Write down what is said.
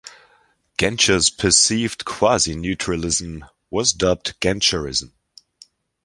Genscher's perceived quasi-neutralism was dubbed "Genscherism".